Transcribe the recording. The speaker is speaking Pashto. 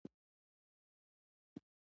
• خندا کول زړه ته رڼا ورکوي.